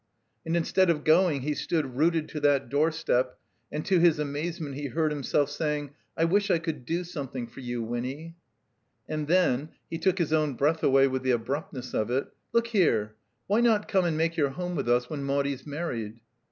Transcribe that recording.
And mstead of going he stood rooted to that doorstep, and to his amazement he heard himself saying, "I wish I could do some thing for you, Winny." And then (he took his own breath away with the abruptness of it). "Look here — ^why not come and make your home with us, when Maudie's married?"